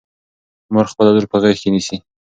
مور خپله لور په غېږ کې نیسي.